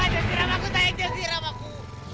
jangan siram aku sayang jangan siram aku